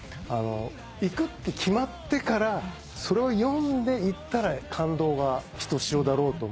行くって決まってからそれを読んで行ったら感動がひとしおだろうと思って。